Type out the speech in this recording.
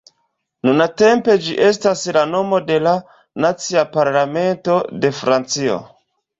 Nuntempe ĝi estas la nomo de la nacia parlamento de Francio.